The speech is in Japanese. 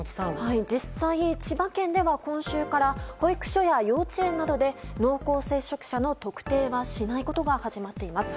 実際に千葉県では今週から保育所や幼稚園などで濃厚接触者の特定はしないことが始まっています。